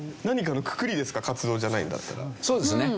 そうですね。